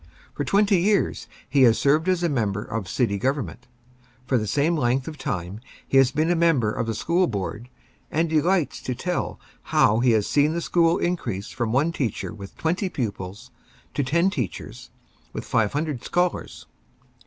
For twenty years he has served as a member of the city government. For the same length of time he has been a member of the School Board, and delights to tell how he has seen the school increase from one teacher with twenty pupils to ten teachers with five hundred scholars.